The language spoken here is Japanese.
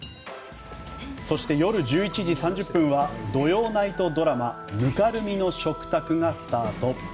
そして夜１１時３０分は土曜ナイトドラマ「泥濘の食卓」がスタート。